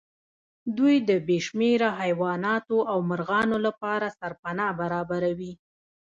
دوی د بې شمېره حيواناتو او مرغانو لپاره سرپناه برابروي.